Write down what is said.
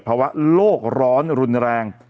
ภาวะโลกร้อนรุนแรง